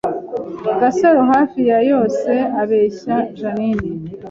Gasaro hafi ya yose abeshya Jeaninne